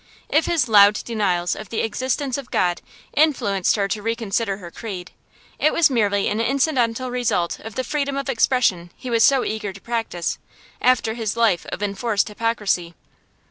If his loud denials of the existence of God influenced her to reconsider her creed, it was merely an incidental result of the freedom of expression he was so eager to practise, after his life of enforced hypocrisy.